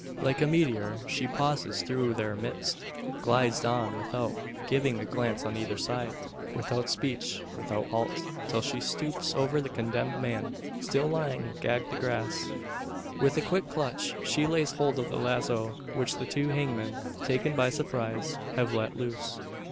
Like a meteor she pauses through their midst glides on without giving a glance on either side without speech, without halt till she stoops over the condemned man, still lying gagged the grass. With a quick clutch she lays hold of the lazo; which the two hangmen, taken by surprise, have let loose.